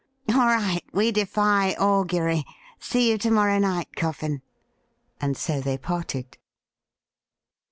' All right, we defy augury ! See you to morrow night. Coffin.' And so they parted.